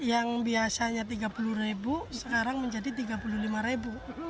yang biasanya tiga puluh ribu sekarang menjadi tiga puluh lima ribu